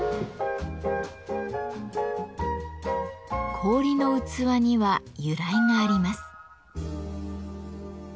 氷の器には由来があります。